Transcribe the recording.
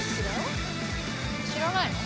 知らないの？